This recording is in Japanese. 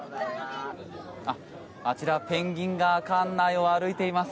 あちらペンギンが館内を歩いています。